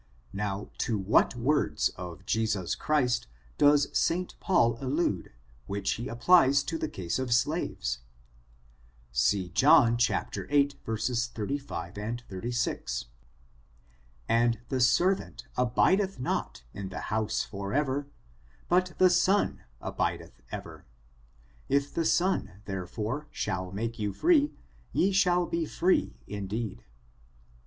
Now to what words of Jesus Christ does St. Paul allude, which he applies to the case of slaves? See John viii, 36, 36. ''And the servant abideth not in the house for ever, but the son abideth ever. If the son, therefore, shall make you free, ye shall be free indeed."